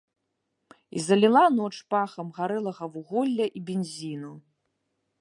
І заліла ноч пахам гарэлага вуголля і бензіну.